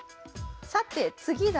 さて次だ。